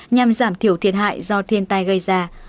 nhằm giảm thiểu thiệt hại do thiên tai gây ra